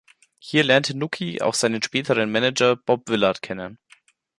Hier lernte Nucci auch seinen späteren Manager Bob Villard kennen.